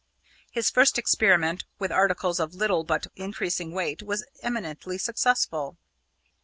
His first experiment with articles of little but increasing weight was eminently successful.